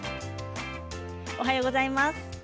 おはようございます。